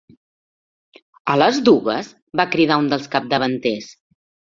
A les dugues? —va cridar un dels capdavanters.